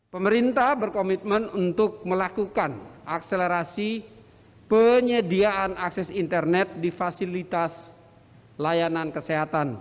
pemerintah berkomitmen untuk melakukan akselerasi penyediaan akses internet di fasilitas layanan kesehatan